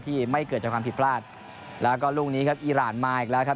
ที่ไม่เกิดจากความผิดพลาดแล้วก็ลูกนี้ครับอีรานมาอีกแล้วครับ